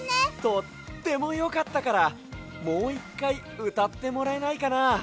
とってもよかったからもう１かいうたってもらえないかな？